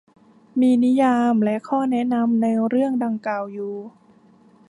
มีนิยามและข้อแนะนำในเรื่องดังกล่าวอยู่